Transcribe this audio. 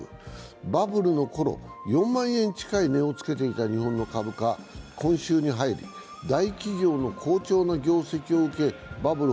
バブルのころ、４万円近い値をつけていた日本の株価、今週に入り、大企業の好調な業績を受けバブル